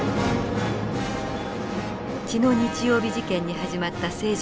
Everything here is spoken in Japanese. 血の日曜日事件に始まった政情